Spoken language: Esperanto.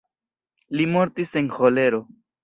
Li mortis en ĥolero.